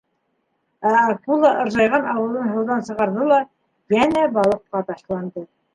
Ә акула ыржайған ауыҙын һыуҙан сығарҙы ла йәнә балыҡҡа ташланды.